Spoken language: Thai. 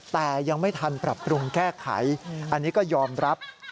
แต่ยังไม่ทันปรับปรุงแก้ไขอันนี้ก็ยอมรับ